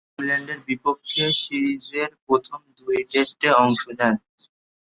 ইংল্যান্ডের বিপক্ষে সিরিজের প্রথম দুই টেস্টে অংশ নেন।